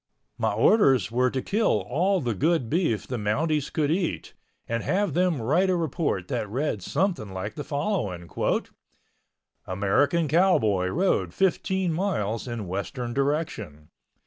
My orders were to kill all the good beef the Mounties could eat and have them write a report that read something like the following: "American cowboy rode 15 miles in Western direction.